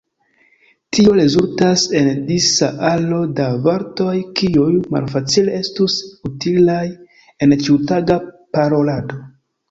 Tio rezultas en disa aro da vortoj kiuj malfacile estus utilaj en ĉiutaga parolado.